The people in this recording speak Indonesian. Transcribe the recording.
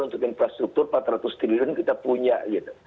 untuk infrastruktur empat ratus triliun kita punya gitu